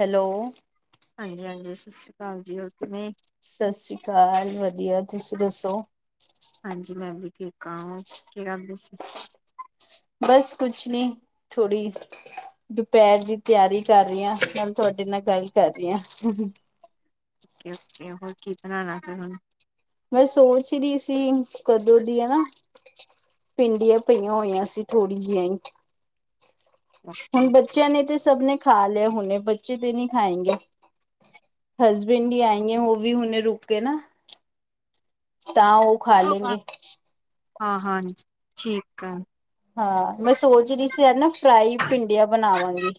Hello ਹਾਂਜੀ-ਹਾਂਜੀ, ਸਤਿ ਸ੍ਰੀ ਅਕਾਲ ਜੀ, ਹੋਰ ਕਿਵੇਂ? ਸਤਿ ਸ੍ਰੀ ਅਕਾਲ ਵਧੀਆ, ਤੁਸੀਂ ਦੱਸੋ ਹਾਂਜੀ, ਮੈਂ ਵੀ ਠੀਕ ਆ ਓ ਕੀ ਕਰਦੇਸੀ? ਬਸ ਕੁਛ ਨੀ, ਥੋੜ੍ਹੀ ਦੁਪੈਰ ਦੀ ਤਿਆਰੀ ਕਰ ਰਹੀ ਹਾ, ਨਾਲ ਤੁਹਾਡ ਨਾਲ ਗੱਲ ਕਰ ਰੀ ਹਾਂ ਓਕੇ-ਓਕੇ, ਹੋਰ ਕੀ ਬਣਾਨਾ ਫਿਰ ਹੁਣ? ਮੈਂ ਸੋਚ ਰੀ ਸੀ, ਕਦੋਂ ਦੀ ਹੈਨਾ ਪਿੰਡੀਆਂ ਪਈਆਂ ਹੋਈਆਂ ਸੀ। ਥੋੜ੍ਹੀ ਜਿਹਾਂ ਹੀ ਹੁਣ, ਬੱਚਿਆਂ ਨੇ ਤੇ ਸਭ ਨੇ ਖਾ ਲੇ ਹੋਣੇ, ਬੱਚੇ ਤੇ ਨਹੀ ਖਾਂਏਗੇ ਹਸਬੈਂਡ ਵੀ ਆਏਂਗੇ, ਓਹ ਵੀ ਹੁਣੇ ਰੁਕ ਕੇ ਨਾ ਤਾਂ ਓ ਖਾ ਲੇਂਗੇੇ ਹਾਂ-ਹਾਂ, ਠੀਕ ਐ ਹਾਂ, ਮੈਂ ਸੋਚ ਰੀ ਸੀ ਯਾ ਨਾ, ਫਰਾਈ ਭਿੰਡੀਆਂ ਬਣਾਵਾਂਗੀ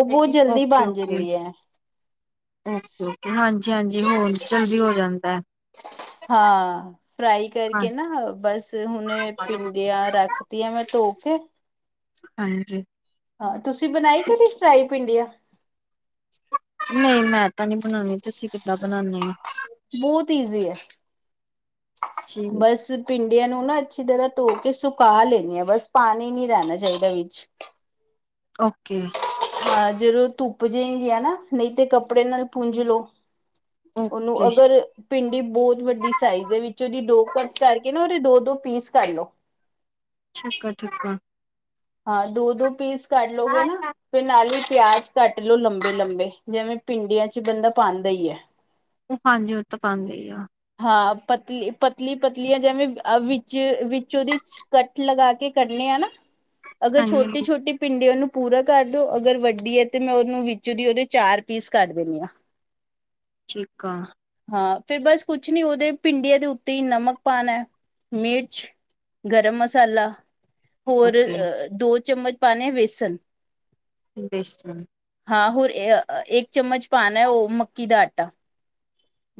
ਉਹ [inaudible] ਬਹੁਤ ਓਕੇ-ਓਕੇ ਜਲਦੀ ਬਣ ਓਕੇ-ਓਕੇ ਜਾਂਦੀ ਹੈ ਹਾਂ ਹਾਂਜੀ, [unintelligible] ਹਾਂ--ਫਰਾਈ ਹਾਂ ਕਰਕੇ ਨਾ ਬਸ ਹੁਣ ਭਿੰਡੀਆਂ ਰੱਖਤੀਆਂ ਮੈਂ ਧੋ [inaudible] ਹਾਂਜੀ ਹਾਂ, ਤੁਸੀਂ ਬਣਾਈ ਕਦੀ ਫਰਾਈ ਭਿੰਡੀਆਂ? ਨਹੀਂ, ਮੈਂ ਤਾਂ ਨਹੀਂ ਬਨਾਣੀ, ਤੁਸੀਂ ਕਿੱਦਾਂ ਬਨਾਨੇ ਓ? ਬੋਤ ਈਜ਼ੀ ਹੈ, ਠੀਕ ਬਸ [inaudible] ਤੇ ਏਨੂੰ ਨਾ, ਅੱਛੀ ਤਰ੍ਹਾਂ ਧੋ ਕੇ, ਸੁਕਾ ਲੈਣੀ ਆ ਬਸ ਪਾਣੀ ਨੀ ਰੈਣਾ ਚਾਹੀਦਾ ਇਚ ਓਕੇ ਹਾਂ, ਜਦੋਂ ਧੁੱਪ ਜੇਗੀਆਂ ਨਾ, ਨਹੀਂ ਤੇ ਕੱਪੜੇ ਨਾਲ ਪੂੰਜ ਲੋੋ ਓਨੂੰ ਓਕੇ ਅਗਰ ਭਿੰਡੀ, ਬੋਤ ਵੱਡੀ ਸਾਈਜ਼ ਦੇ ਵਿੱਚ ਉਦੀ ਦੋ ਕੱਟ ਕਰਕੇ ਨਾ, ਓਦੇ ਦੋ-ਦੋ ਪੀਸ ਕਰ ਲੋ [unintelligible] ਹਾਂ, ਦੋ-ਦੋ ਪੀਸ ਕੱਢ ਲੋਗੇ ਨਾਂ, ਫਿਰ ਨਾਲੀ ਪਿਆਜ ਕੱਟ ਲੋੋ ਲੰਬੇ-ਲੰਬੇ ਓਹ ਹਾਂਜੀ, ਓ ਤ ਪਾਂਦੇ ਹੀ ਆ ਹਾਂ, ਪਤਲੀ-ਪਤਲੀ ਪਤਲੀਆਂ, ਜੇਵੇਂ ਵਿੱਚ-ਵਿੱਚ ਉਦੀ ਕੱਟ ਲਗਾ ਕੇ ਕਰਦੇ ਆ ਨਾ ਅਗਰ, ਹਾਂਜੀ ਹਾਂਜੀ ਛੋਟੇ-ਛੋਟੇ ਪਿੰਡਿਆਂ ਨੂੰ ਪੂਰਾ ਕਰ ਦੋ, ਅਗਰ, ਵੱਡੀ ਹੈ ਤੇ, ਮੈਂ ਓਨੂੰ ਵਿੱਚੋਂ ਦੀ ਓਦੇ ਚਾਰ ਪੀਸ ਕਰ ਦਿੰਦੀ ਹਾਂ ਚੀਕਾ ਹਾਂ, ਫਿਰ ਬਸ ਕੁਛ ਨੀ ਓਦੇ ਭਿੰਡੀਆਂ ਦੇ ਉੱਤੇ ਹੀ ਨਮਕ ਪਾਣੈ, ਮਿਰਚ ਠੀਕ ਗਰਮ ਮਸਾਲਾ, ਹੋਰ ਓਕੇ ਦੋ ਚਮਚ, ਪਾਣੇ ਐ ਵੇਸਨ ਬੇਸ਼ਨ ਆ, ਹੋਰ ਏਕ ਚਮਚ ਪਾਣੈ, ਓਹ ਮੱਕੀ ਦਾ ਆਟਾ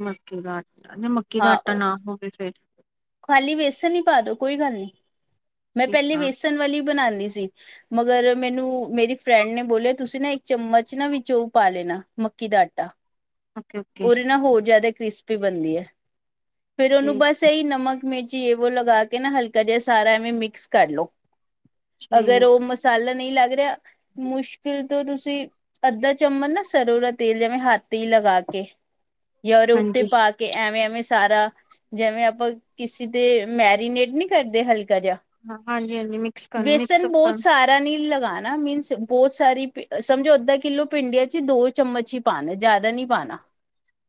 ਮੱਕੀ ਦਾ ਆਟਾ, ਨਾ ਮੱਕੀ ਦਾ ਹਾਂ ਆਟਾ ਨਾ ਹੋਵੇ ਫਿਰ? ਖਾਲੀ ਵੇਸਨ ਹੀ ਪਾ ਦੋ ਕੋਈ ਗੱਲ ਨਹੀਂ ਮੈਂ ਠੀਕ ਪਹਿਲੇ ਆ ਵੇਸਣ ਵਾਲੀ ਬਣਾਉਂਦੀ। ਸੀ ਮਗਰ ਮੈਨੂੰ ਮੇਰੀ ਫਰੈਂਡ ਨੇ ਬੋਲਿਆ, ਤੁਸੀਂ ਨਾ ਇੱਕ ਚਮਚ ਨਾ ਵਿਚ ਉਹ ਪਾ ਲੈਣਾ। ਮੱਕੀ ਦਾ ਆਟਾ ਓਕੇ ਓਕੇ ਉਹਦੇ ਨਾਲ ਹੋਰ ਜ਼ਿਆਦਾ ਕ੍ਰਿਸਪੀ ਬਣਦੀ ਹੈ ਫਿਰ ਉਹਨੂੰ ਠੀਕ ਬਸ ਇਹੀ ਨਮਕ। ਮਿਰਚੀ ਵੋ ਲਗਾ ਕੇ ਨਾ ਹਲਕਾ ਜਿਹਾ ਸਾਰਾ ਇਹਵੇਂ ਮਿਕਸ ਕਰ ਲਓ। ਅਗਰ ਉਹ ਠੀਕ ਮਸਾਲਾ ਨਹੀਂ ਲੱਗ ਰਿਹਾ ਮੁਸ਼ਕਿਲ ਤੋਂ ਤੁਸੀਂ ਅੱਧਾ ਚਮਚ ਨਾ ਸਰੋਂ ਦਾ ਤੇਲ ਜਿਵੇਂ ਤੇ ਹੱਥ ਹੀ ਲਗਾ ਕੇ ਕੇ ਯਾਉੱਤੇ ਹਾਂਜੀ ਪਾ ਕੇ ਐਵੇਂ-ਐਵੇਂ ਸਾਰਾ ਜਿਵੇਂ ਆਪਾਂ ਕਿਸੇ ਤੇ ਮੈਰੀਨੇਟ ਨੀ ਕਰਦੇ ਹਲਕੀ ਜਿਹਾ ਹਾਂ ਹਾਂਜੀ ਹਾਂਜੀ ਮਿਕਸ ਕਰਨ ਵੇਸਨ ਮਿਕਸਅਪ ਬਹੁਤ ਕਰਨ ਸਾਰਾ ਨੀ ਲਗਾ। ਹੈ ਨਾ ਮੀਨਸ ਬਹੁਤ ਸਾਰੀ ਸਮਝੋ ਅੱਧਾ ਕਿੱਲੋ ਭਿੰਡੀਆਂ ਚ ਹੀ ਦੋ ਚਮਚ ਹੀ ਪਾਣਾ ਜਿਆਦਾ ਨੀ ਪਾਉਣਾ।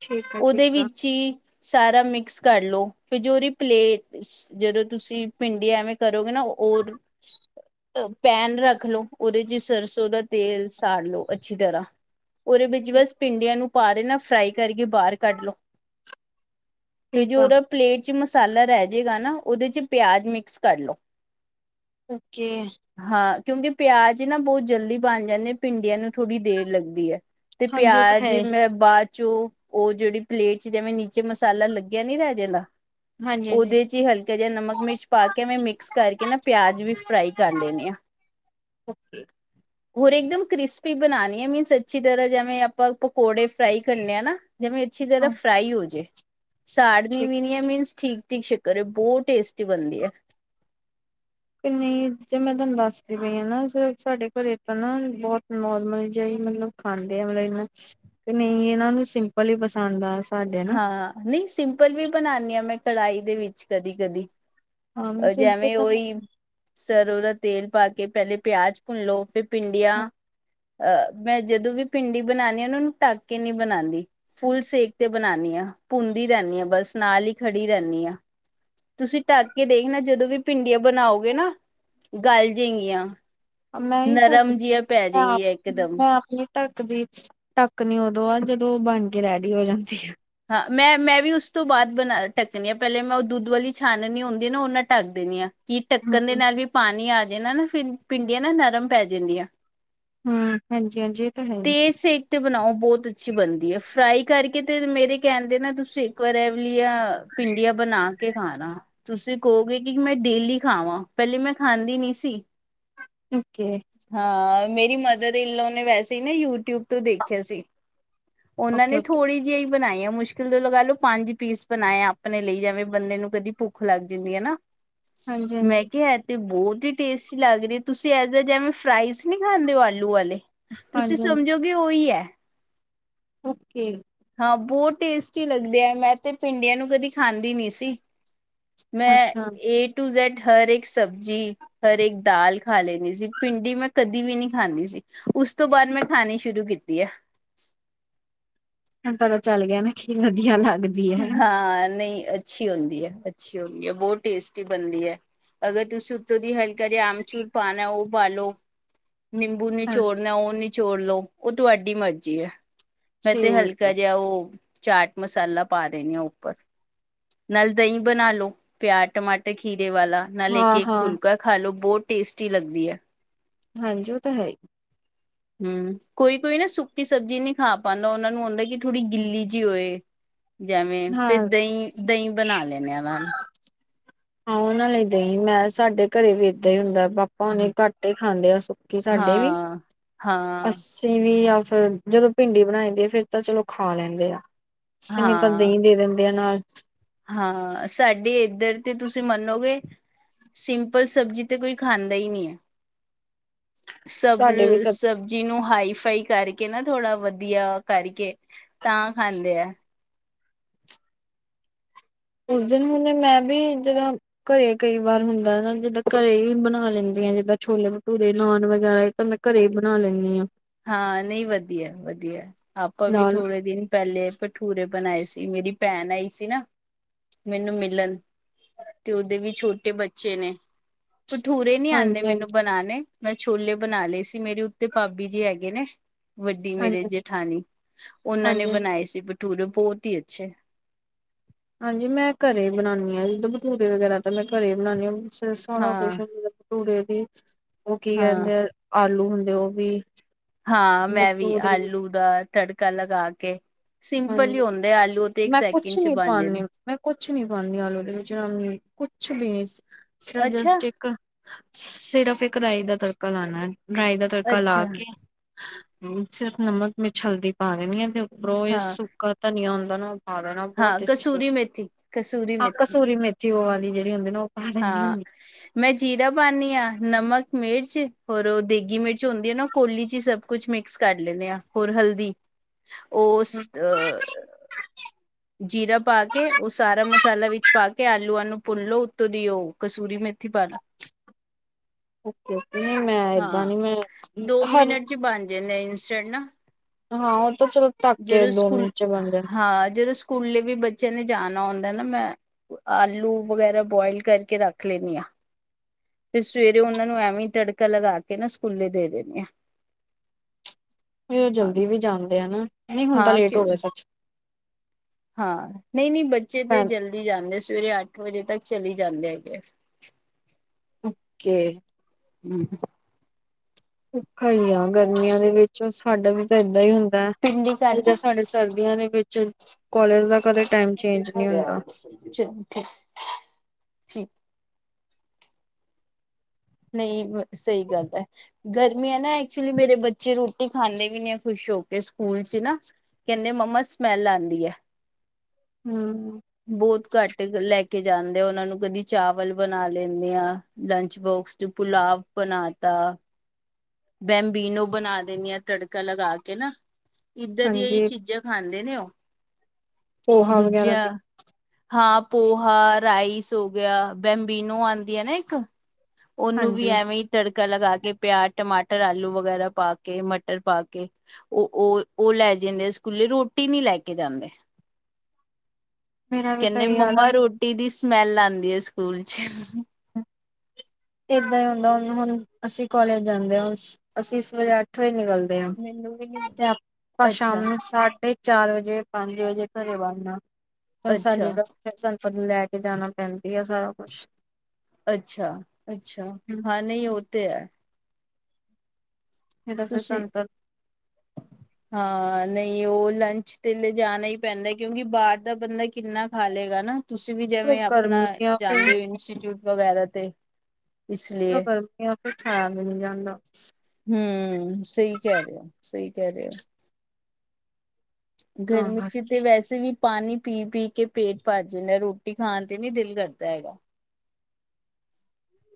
ਠੀਕ ਆ ਉਹਦੇ ਠੀਕ ਆ ਵਿੱਚ ਹੀ ਸਾਰਾ ਮਿਕਸ ਕਰ ਲਓ ਫਿਰ ਜੋ ਉਹਦੀ ਪਲੇਟ ਜਦੋਂ ਤੁਸੀਂ ਭਿੰਡੀ ਐਵੇਂ ਕਰੋਗੇ ਨਾ। ਹੋਰ ਪੈਨ ਰੱਖ ਲੋ ਉਹਦੇ ਚ ਸਰਸੋਂ ਦਾ ਤੇਲ ਸਾੜ ਲੋ ਅੱਛੀ ਤਰ੍ਹਾਂ। ਉਹਦੇ ਵਿੱਚ ਠੀਕ ਬਸ ਆ ਭਿੰਡੀਆਂ ਨੂੰ ਪਾ ਦੇ ਨਾ ਫਰਾਈ ਤੇ ਠੀਕ ਜੋ ਆ ਉਹਦਾ ਪਲੇਟ ਚ ਮਸਾਲਾ ਰਹਿ ਜਾਏਗਾ ਨਾ। ਉਹਦੇ ਚ ਪਿਆਜ਼ ਮਿਕਸ ਕਰ ਲਓ। ਓਕੇ ਕਿਉਂਕਿ ਪਿਆਜ ਨਾ ਬਹੁਤ ਜਲਦੀ ਬਣ ਜਾਂਦੇ ਭਿੰਡੀਆਂ ਨੂੰ ਥੋੜ੍ਹੀ ਦੇਰ ਲੱਗਦੀ ਹੈ। ਤੇ ਹਾਂਜੀ ਉਹ ਤਾਂ ਪਿਆਜ ਹੈ ਮੈਂ ਬਾਅਦ ਚੋ ਉਹ ਜਿਹੜੀ ਪਲੇਟ ਚ ਜਿਵੇਂ ਨੀਚੇ ਮਸਾਲਾ ਲੱਗਿਆ ਨੀ ਰਹਿ ਜਾਂਦਾ। ਹਾਂਜੀ ਹਾਂਜੀ ਉਹਦੇ ਚ ਹੀ ਹਲਕਾ ਜਿਹਾ ਨਮਕ ਮਿਰਚ ਪਾ ਕੇ ਮੈ ਮਿਕਸ ਕਰਕੇ ਨਾ ਪਿਆਜ ਵੀ ਫਰਾਈ ਕਰ ਲੈਨੀ ਆ। ਓਕੇ ਹੋਰ ਇੱਕ ਦਮ ਕ੍ਰਿਸਪੀ ਬਣਾਣੀ ਹੈ ਮੀਨ ਅੱਛੀ ਤਰ੍ਹਾਂ ਜਿਵੇਂ ਆਪਾਂ ਪਕੌੜੇ ਫਰਾਈ ਕਰਨੇ ਆ ਨਾ। ਜਿਵੇਂ ਅੱਛੀ ਤਰ੍ਹਾਂ ਹਾਂ ਫ੍ਰਾਈ ਹੋ ਜਾਏ ਸਾੜਨੀ ਠੀਕ ਵੀ ਨਹੀਂ ਮੀਨਸ ਠੀਕ ਠੀਕ ਸ਼ੱਕਰ ਬਹੁਤ ਟੇਸਟੀ ਬਣਦੀ ਹੈ। ਨਹੀਂ ਜੇ ਮੈਂ ਤੁਹਾਨੂੰ ਦੱਸਦੀ ਪਈ ਹਾਂ ਨਾ ਸਿਰਫ ਸਾਡੇ ਘਰੇ ਤਾਂ ਨਾ ਬਹੁਤ ਨੋਰਮਲ ਜਿਹੇ ਮਤਲਬ ਖਾਂਦੇ ਆ ਮਤਲਬ ਇਹਨਾ ਤੇ ਨਹੀਂ ਇਹਨਾਂ ਨੂੰ ਸਿੰਪਲ ਹੀ ਪਸੰਦ ਆ ਸਾਡੇ ਨਾ ਹਾਂ ਨਹੀਂ ਸਿੰਪਲ ਵੀ ਬਣਾਨੀ ਹਾਂ ਮੈਂ ਕੜਾਹੀ ਦੇ ਵਿੱਚ ਕਦੀ ਕਦੀ ਹਾਂ ਜੇ ਸਿੰਪਲ ਐਵੇਂ ਤਾਂ ਉਹੀ ਹਾਂ ਸਰੋਂ ਦਾ ਤੇਲ ਪਾ ਕੇ ਪਹਿਲੇ ਪਿਆਜ ਭੁੰਨ ਲਓ ਫਿਰ ਭਿੰਡੀਆਂ ਅ ਮੈਂ ਜਦੋਂ ਵੀ ਭਿੰਡੀ ਬਣਾਉਣੀ ਆ ਉਹ ਨੂੰ ਢੱਕ ਕੇ ਨਹੀਂਬਣਾਉਂਦੀ ਫੁੱਲ ਸੇਕ ਤੇ ਬਣਾਉਨੀ ਹਾਂ ਭੁੰਨਦੀ ਰਹਿੰਦੀ ਹਾਂ ਬਸ ਨਾਲ ਹੀ ਖੜੀ ਰਹਿੰਦੀ ਹਾਂ। ਤੁਸੀਂ ਢੱਕ ਕੇ ਦੇਖ ਨਾ ਜਦੋਂ ਵੀ ਭਿੰਡੀਆਂ ਬਣਾਓਗੇ ਨਾ ਗਲ ਜੇਗੀਆਂ। ਨਹੀਂ ਨਰਮ ਢੱਕਦੀ ਜਿਹੀਆਂ ਪੈ ਮੈਂ ਜਾਏਗੀਆਂ ਇਕਦਮ। ਮੈ ਆਪਣੇ ਢੱਕਦੀ ਢੱਕ ਨੀ ਉਦੋਂ ਆ ਜਦੋਂ ਉਹ ਬਣ ਕੇ ਰੈਡੀ ਹੋ ਜਾਂਦੀ ਆ। ਮੈਂ ਮੈਂ ਵੀ ਉਸ ਤੋਂ ਬਾਅਦ ਬਣਾ ਢੱਕਣੀ ਹਾਂ ਪਹਿਲੇ ਮੈਂ ਉਹ ਦੁੱਧ ਵਾਲੀ ਛਾਨਣੀ ਹੁੰਦੀ ਹੈ ਨਾ ਉਹ ਨਾਲ ਢੱਕ ਦਿੰਦੀ ਹਾਂ। ਕਿ ਢੱਕਣ ਦੇ ਹੂੰ ਨਾਲ ਵੀ ਪਾਣੀ ਆ ਜਾਣਾ ਨਾ ਫਿਰ ਭਿੰਡੀਆਂ ਨਾ ਨਰਮ ਪੈ ਜਾਂਦੀਆਂ। ਹੂੰ ਹਾਂਜੀ ਹਾਂਜੀ ਇਹ ਤਾਂ ਹੈ ਹੀ। ਤੇ ਸੇਕ ਤੇ ਬਣਾਓ ਬਹੁਤ ਅੱਛੀ ਬਣਦੀ ਹੈ ਫਰਾਈ ਕਰਕੇ ਤੇ ਮੇਰੇ ਕਹਿਣ ਦੇ ਨਾ ਤੁਸੀਂ ਇੱਕ ਵਾਰ ਐਵੇਂ। ਕਿਹਾ ਭਿੰਡੀਆਂ ਬਣਾ ਕੇ ਖਾਣਾ ਤੁਸੀਂ ਕਹੋਗੇ ਕਿ ਮੈਂ ਡੇਲੀ ਖਾਵਾਂ ਪਹਿਲੇ ਮੈਂ ਖਾਂਦੀ ਨੀ ਸੀ। ਓਕੇ ਹਾਂ ਮੇਰੀ ਮਦਰ ਇਨ ਲੋ ਨੇ ਵੈਸੇ ਹੀ ਨਾ ਯੂਟਿਊਬ ਤੋਂ ਦੇਖਿਆ ਸੀ ਉਹਨਾਂ ਓਕੇ ਨੇ ਓਕੇ ਥੋੜ੍ਹੀ ਜਿਹੀ ਬਣਾਈਆਂ। ਮੁਸ਼ਕਿਲ ਤੋਂ ਲਗਾ ਲੋ ਪੰਜ ਪੀਸ ਬਣਾਏ ਆਪਣੇ ਲਈ ਜਿ ਵੇਂ ਬੰਦੇ ਨੂੰ ਕਦੀ ਭੁੱਖ ਲੱਗ ਜਾਂਦੀ ਹੈ ਨਾ। ਹਾਂਜੀ ਹਾਂਜੀ ਮੈਂ ਕਿਹਾ ਇਹ ਤੇ ਬਹੁਤ ਕਿ ਟੇਸਟੀ ਲੱਗ ਰਹੀ ਤੁਸੀਂ ਐ ਜਿਵੇਂ ਫਰਾਈਜ਼ ਨਹੀਂ ਖਾਂਦੇ ਹੋ ਆਲੂ ਵਾਲੇ ਤੁਸੀਂ ਹਾਂਜੀ ਸਮਝੋਗੇ ਉਹੀ ਹੈ ਓਕੇੇ ਬਹੁਤ ਟੇਸਟੀ ਲੱਗਦੇ ਆ ਮੈਂ ਤੇ ਭਿੰਡੀਆਂ ਨੂੰ ਕਦੀ ਖਾਂਦੀ ਨੀ ਸੀ। ਮੈਂ ਅੱਛਾ ਏ ਟੂ ਜੇਡ ਹਰ ਇੱਕ ਸਬਜ਼ੀ ਹਰ ਇੱਕ ਦਾਲ ਖਾ ਲੈਣੀ ਸੀ ਪਿੰਡੀ ਮੈਂ ਕਦੀ ਵੀ ਨੀ ਖਾਂਦੀ ਸੀਂ ਉਸ ਤੋਂ ਬਾਅਦ ਮੈਂ ਖਾਣੀ ਸ਼ੁਰੂ ਕੀਤੀ ਆ। ਹਣ ਪਤਾ ਚੱਲ ਗਿਆ ਨਾ ਕੀ ਵਧੀਆ ਲੱਗ ਹਾਂ ਨਹੀਂ ਅੱਛੀ ਹੁੰਦੀ ਹੈ ਅੱਛੀ ਹੁੰਦੀ ਹੈ ਬਹੁਤ ਟੇਸਟੀ ਬਣਦੀ ਹੈ। ਅਗਰ ਤੁਸੀਂ ਉੱਤੋਂ ਦੀ ਹਲਕਾ ਜਿਹਾ ਆਮਚੂਰ ਪਾਨਾ ਉਹ ਪਾਲੋ। ਨਿੰਬੂ ਚੋੜਨਾ ਉਹ ਨੀ ਚੋੜ ਲਉ ਉਹ ਤੁਹਾਡੀ ਮਰਜ਼ੀ ਐ। ਮੈਂ ਤੇ ਹਲਕਾ ਠੀਕ ਜਿਹਾ ਉਹ ਚਾਟ ਮਸਾਲਾ ਪਾ ਦੇਣੇ ਆ ਉੱਪਰ ਨਾਲ ਦਹੀਂ ਬਣਾ ਲੋ ਪਿਆਜ ਟਮਾਟਰ ਖੀਰ ਦੇ ਵਾਲਾ ਨਾਲ ਲੈ ਹਾਂ ਕੇ ਹਾਂ ਫੁਲਕਾ ਖਾ ਲੋ ਬਹੁਤ ਟੇਸਟੀ ਲੱਗਦੀ ਹੈ। ਹਾਂਜੀ ਉਹ ਤਾਂ ਹੈ ਹੀ ਹੂੰ ਕੋਈ ਕੋਈ ਨਾ ਸੁੱਕੀ ਸਬਜ਼ੀ ਨਹੀਂ ਖਾ ਪਾਦਾ ਉਹਨਾ ਨੂੰ ਆਉਦਾ ਕਿ ਥੋੜ੍ਹੀ ਗਿੱਲੀ ਜਿਹੀ ਹੋਏ। ਜਿਵੇਂ ਹਾਂ ਫਿਰ ਦਹੀਂ-ਦਹੀਂ ਬਣਾ ਲੈਂਨੇ ਆ ਨਾਲ ਹਾਂ ਉਹਨਾਂ ਲਈ ਦਹੀਂ ਮੈਂ ਸਾਡੇ ਘਰੇ ਵੀ ਏਦਾਂ ਹੀ ਹੁੰਦਾ। ਪਾਪਾ ਹਣੇ ਘੱਟ ਹੀ ਖਾਂਦੇ ਆ ਸੁੱਕੀ ਸਾਡੇ ਵੀ ਹਾਂ। ਹਾਂ, ਅੱਸੀ ਵੀ ਫਿਰ ਜਦੋਂ ਭਿੰਡੀ ਬਣਾਈ ਦੀ ਆ ਫੇਰ ਤਾਂ ਚਲੋ ਖਾ ਲੈਂਦੇ ਆ ਨਹੀਂ ਹਾਂ ਤਾਂ ਦਹੀਂ ਦੇ ਦਿੰਦੇ ਆ ਨਾਲ ਹਾਂ ਸਾਡੇ ਇੱਧਰ ਤੇ ਤੁਸੀਂ ਮੰਨੋਗੇ ਸਿੰਪਲ ਸਬਜ਼ੀ ਤੇ ਕੋਈ ਖਾਂਦਾ ਹੀ ਨਹੀਂ ਹੈ। [unintelligible] ਸਬ ਸਾਡੇ ਵੀ ਸਬਜ਼ੀ ਨੂੰ ਹਾਈਫਾਈ ਕਰਕੇ ਨਾ ਥੋੜਾ ਵਧੀਆ ਕਰਕੇ ਤਾਂ ਖਾਂਦੇ ਆ ਉਸ ਦਿਨ ਹੁਣ ਮੈਂ ਵੀ ਜਿਦਾਂ ਘਰੇ ਕਈ ਵਾਰ ਹੁੰਦਾ ਨਾ ਜਿੱਦਾਂ ਘਰੇ ਹੀ ਬਣਾ ਲੈਂਦੀ ਜਿੱਦਾਂ ਛੋਲੇ ਭਟੂਰੇ ਨਾਨ ਵਗੈਰਾ ਇਹ ਤਾਂ ਮੈਂ ਘਰੇ ਹੀ ਬਣਾ ਲੈਂਨੀ ਆ ਹਾਂ ਨਹੀਂ ਵਧੀਆ ਵਧੀਆ ਆਪਾਂ ਵੀ ਨਾਲ ਥੋੜੇ ਦਿਨ ਪਹਿਲੇ ਭਠੂਰੇ ਬਣਾਏ ਸੀ ਮੇਰੀ ਭੈਣ ਆਈ ਸੀ ਨਾ ਮੈਨੂੰ ਮਿਲਣ ਤੇ ਉਹਦੇ ਵੀ ਛੋਟੇ ਬੱਚੇ ਨੇ ਭਠੂਰੇ ਨੀ ਆਉਂਦੇ ਹਾਂਜੀ ਮੈਨੂੰ ਹਾਂਜੀ ਬਣਾਉਣੇ ਮੈਂ ਛੋਲੇ ਬਣਾ ਲਏ ਸੀ ਮੇਰੀ ਉੱਤੇ ਭਾਬੀ ਜੀ ਹੈਗੇ ਨੇ ਵੱਡੀ ਮੇਰੇ ਹਾਂਜੀ ਜੇਠਾਨੀ ਉਹਨਾਂ ਨੇ ਹਾਂਜੀ ਬਣਾਏ ਸੀ। ਭਟੂਰੇ ਬਹੁਤ ਹੀ ਅੱਛੇ ਹਾਂਜੀ ਮੈਂ ਘਰੇ ਬਣਾਨੀ ਹਾਂ ਜਦ ਬਟੂਰੇ ਵਗੈਰਾ ਤਾਂ ਮੈਂ ਘਰੇ ਹੀ ਬਣਾਨੀ ਹਾਂ ਫਿਰਰ ਸਾਰਾ ਕੁਛ ਹਾਂ ਹੁੰ ਭਟੂਰੇੇ ਦੀ ਉਹ ਕੀ ਹਾਂ ਕਹਿੰਦੇ ਆ ਆਲੂ ਹੁੰਦੇ ਉਹ ਵੀ ਹਾਂ ਮੈਂ ਵੀ ਆਲੂ ਦਾ ਤੜਕਾ ਲਗਾ ਕੇ ਸਿੰਪਲ ਹੀ ਹਾਂਜੀ ਹੁੰਦਾ ਆਲੂ ਅਤੇ ਇੱਕ ਮੈਂ ਕੁਛ ਸੈਕਿੰਡ ਚ ਨੀ ਬਣ ਪਾਉਂਦੀ ਜਾਂਦੇ। ਮੈਂ ਕੁਛ ਨੀ ਪਾਉਂਦੀਆਂ ਆਲੂਦੇ ਵਿੱਚ ਕੁਛ ਵੀ ਨੀ ਸਿਰਫ ਅੱਛਾ ਜਸਟ ਇੱਕ ਸਿਰਫ ਇੱਕ ਰਾਈ ਦਾ ਤੜਕਾ ਲਾਣਾ ਰਾਈ ਦਾ ਤੜਕਾ ਲਾ ਅੱਛਾ ਕੇ ਸਿਰਫ ਨਮਕ ਮ ਹਲਦੀ ਪਾ ਦੇਣੀ ਆ ਤੇ ਉੱਪਰੋਂ ਇਹ ਹਾਂ ਸੁੱਕਾ ਧਨੀਆ ਹੁੰਦਾ ਨਾ ਪਾ ਲੈਣਾ ਬਹੁਤ ਹਾਂ ਟੈਸਟੀ ਲੱਗਦੀ ਕਸੂਰੀ ਹੈ ਮੇਥੀ ਕਸੂਰੀ ਆਹੁ ਹਾਂ ਮੇਥੀ ਕਸੂਰੀ ਮੇਥੀ ਵਾਲੀ ਜਿਹੜੀ ਹੁੰਦੀ ਨਾ ਪਾ ਦਿੰਦੀ ਹਾਂ ਹੁੰਦੀ ਮੈਂ ਜੀਰਾ ਪਾਨੀ ਹਾਂ ਨਮਕ ਮਿਰਚ ਹੋਰ ਦੇਗੀ ਮਿਰਚ ਹੁੰਦੀ ਹੈ ਨਾ ਕੋਲੀ ਚ ਹੀ ਸਭ ਕੁਛ ਮਿਕਸ ਕਰ ਲੈਂਦੇ ਆ ਹੋਰ ਹਲਦੀ ਉਸ ਹ ਜੀਰਾ ਪਾ ਕੇ ਉਹ ਸਾਰਾ ਮਸਾਲਾ ਵਿੱਚ ਪਾ ਕੇ ਆਲੂ ਆ ਨੂੰ ਭੁਨੋ ਉੱਤੋਂ ਦੀ ਉਹ ਕਸੂਰੀ ਮੇਥੀ ਪਾ ਦੋ ਨਹੀਂ ਮੈਂ ਏਦਾਂ ਹਾਂ ਨੀ ਮੈਂ ਦੋ ਹਰ ਮਿੰਟ ਚ ਬਣ ਜਾਂਦੇ ਹਾਂ ਉਹ ਤਾਂ ਚਲੋ ਢੱਕ ਕੇ ਜਦੋਂ ਦੋ ਸਕੂਲ ਮਿੰਟ ਚ ਬਣ ਜਾਣ ਹਾਂ ਜਦੋ ਸਕੁ ਸਕੂਲੇ ਵੀ ਬੱਚਿਆਂ ਨੇ ਜਾਣਾ ਹੁੰਦਾ ਨਾ ਮੈਂ ਆਲੂ ਵਗੈਰਾ ਬੋਆਇਲ ਕਰਕੇ ਰੱਖ ਲੈਂਦੀ ਹਾਂ ਫਿਰ ਸਵੇਰੇ ਉਹਨਾਂ ਨੂੰ ਐਵੇਂ ਤੜਕਾ ਲਗਾ ਕੇ ਨਾ ਸਕੂਲੇ ਦੇ ਦੇਣੇ ਆ ਫਿਰ ਹਾਂ ਜਲਦੀ ਵੀ ਜਾਂਦੇ ਆ ਨਾ ਨਹੀਂ ਹੁੰਦਾ ਹਾਂ ਲੇਟ ਹੋ ਕਿਉਂ ਗਿਆ ਸੱਚ ਹਾਂ ਨਹੀਂ ਨਹੀਂ ਬੱਚੇ ਤੇ ਜਲਦੀ ਜਾਂਦੇ ਸਵੇਰੇ ਅੱਠ ਵਜੇ ਤੱਕ ਚਲੀ ਜਾਂਦੇ ਹੈਗੇ ਏ ਓਕੇ [unintelligible] ਭੁਖਾ ਹੀ ਆ ਗਰਮੀਆਂ ਦੇ ਵਿੱਚ ਸਾਡਾ ਵੀ ਏਦਾਂ ਹੀ ਹੁੰਦਾ ਹੈ ਪਿੰਡੀ ਕਰਦਾ ਜਿਦਾਂ ਸਾਡੇ ਸਰਦੀਆਂ ਦੇ ਵਿੱਚ ਕਾਲਜ ਦਾ ਕਦੇ ਟਾਈਮ ਚੇਂਜ ਪੇਠਾ ਨਹੀਂ ਲਿਆ ਹੁੰਦਾ। [inaudible] ਠੀਕ ਨਹੀਂ ਸਹੀ ਗੱਲ ਹੈ ਗਰਮੀ ਹੈ ਨਾ ਐਕਚੁਲੀ ਮੇਰੇ ਬੱਚੇ ਰੋਟੀ ਖਾਂਦੇ ਵੀ ਨਹੀਂ ਹੈ ਖੁਸ਼ ਸ਼ ਹੋ ਕੇ ਸਕੂਲ ਚ ਨਾ ਕਹਿੰਦੇ ਮੰਮਾ ਸਮੈਲ ਆਉਂਦੀ ਹੈ ਹਮ ਬਹੁਤ ਘੱਟ ਲੈ ਕੇ ਜਾਂਦੇ ਆ ਉਹਨਾਂ ਨੂੰ ਕਦੀ ਚਾਵਲ ਬਣਾ ਲੈਂਦੇ ਆ ਲੰਚ ਬੋਕਸ ਚ ਪੁਲਾਵ ਬਣਾ ਤਾ [inaudible] ਬੈਂਮਬੀਨੋ ਬਣਾ ਦੇਣੀ ਆ ਤੜਕਾ ਲਗਾ ਕੇ ਨਾ ਇੱਦਾਂ ਦੀਆਂ ਹੀ ਹਾਂਜੀ ਚੀਜ਼ਾਂ ਖਾਂਦੀ ਦੇ ਨੇ ਉਹ ਪੋਹਾ ਵਗੈਰਾ ਦੂਜਾ ਤੇ ਹਾਂ ਪੋਹਾ ਰਾਈਸ ਹੋ ਗਿਆ ਬੈਬੀਨੋ ਆਉਂਦੀਆਂ ਨਾ ਇੱਕ ਉਹਨੂੰ ਵੀ ਹਾਂਜੀ ਐਵੇਂ ਹੀ ਤੜਕਾ ਕਾ ਲਗਾ ਕੇ ਪਿਆਜ ਟਮਾਟਰ ਆਲੂ ਵਗੈਰਾ ਪਾ ਕੇ ਮਟਰ ਪਾ ਕੇ ਉਹ ਉਹ ਉਹ ਲੈ ਜਾਂਦੇ ਸਕੂਲੇ ਰੋਟੀ ਨੀ ਲੈ ਕੇ ਜਾਂਦੇ ਮੇਰਾ ਵੀ ਤਾਂ ਕਹਿੰਦੇ ਇਹ ਹਾਲ ਆ ਮੰਮਾ ਰੋਟੀ ਦੀ ਸਮੈੱਲ ਆਉਂਦੀ ਹੈ ਸਕੂਲ ਚ ਏਦਾਂ ਹੀ ਹੁੰਦਾ ਹੁਣ ਹੁਣ ਅਸੀਂ ਕਾਲਜ ਜਾਂਦੇ ਹਾਂ ਅਸੀਂ ਸਵੇਰੇ ਅੱਠ ਵਜੇ ਨਿਕਲਦੇ ਮੈਨੂੰ ਵੀ ਨੀ ਤੇ ਆਪਾਂ ਸ਼ਾਮ ਅੱਛਾ ਨੂੰ ਸਾਡੇ ਚਾਰ ਵਜੇ, ਪੰਜ ਵਜੇ, ਘਰੇ ਵੜਨਾ ਤਾਂ ਅੱਛਾ ਸਾਡੇ ਤਾਂ ਫਿਰ ਸਾਨੂੰ ਲੈ ਕੇ ਜਾਣਾ ਪੈਂਦੀ ਆ ਸਾਰਾ ਕੁਛ ਅੱਛਾ ਅੱਛਾ ਹਾਂ ਨਹੀਂ ਉਤੇ ਹੈ ਤਾਂ ਫਿਰ ਤੁਸੀਂ ਸਾਨੂੰ ਹਾ ਨਹੀਂ। ਉਹ ਲੰਚ ਤੇ ਲਿਜਾਣਾ ਹੀ ਪੈਂਦਾ, ਕਿਉਂਕਿ ਬਾਹਰ ਦਾ ਬੰਦਾ ਕਿੰਨਾ ਖਾ ਲਏਗਾ ਨਾ ਤੁਸੀਂ, ਵੀ ਤਾਂ ਜਿਵੇਂ ਆਪਣਾ ਗਰਮੀਆਂ ਜਾਂਦੇ ਹੋ ਫਿਰ ਇੰਸਟੀਟਿਊਟ ਵਗੈਰਾ ਤੇ, ਇਸ ਲਈ ਗਰਮੀਆਂ ਵਿਚ ਖਾਇਆ ਵੀ ਨਹੀਂ ਜਾਂਦਾ। ਹਮ ਸਹੀ ਕਹਿ ਰਹੇ ਹੋ। ਸਹੀ ਕਹਿ ਰਹੇ ਹੋ। ਤਾਂ ਗਰਮੀ ਕਰਕੇ ਚ ਤੇ ਵੈਸੇ ਵੀ। ਪਾਣੀ ਪੀ ਪੀ ਕੇ ਪੇਟ ਭਰ ਜਾਂਦਾ, ਰੋਟੀ ਖਾਣ ਤੇ ਨੀ ਦਿਲ ਕਰਦਾ ਹੈਗਾ।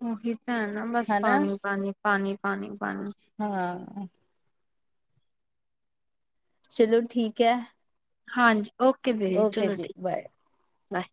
ਉਹੀ ਤਾਂ ਹੈ ਨਾ ਬਸ ਹਨਾ ਪਾਣੀ, ਪਾਣੀ, ਪਾਣੀ, ਪਾਣੀ, ਪਾਣੀ। ਹਾਂ ਚਲੋ ਠੀਕ ਹੈ। ਹਾਂਜੀ ਓਕੇ ਦੀਦੀ ਓਕੇ ਚਲੋ ਜੀ ਠੀਕ ਬਾਏ। ਬਾਏ